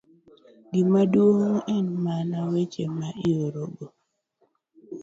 Gima duong' en mana weche ma iorogo